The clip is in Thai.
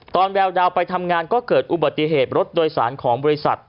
แววดาวไปทำงานก็เกิดอุบัติเหตุรถโดยสารของบริษัท